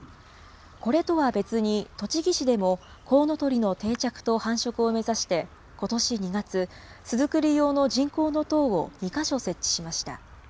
これとは別に、栃木市でも、コウノトリの定着と繁殖を目指して、ことし２月、巣作り用の人工の塔を２か所設置しました。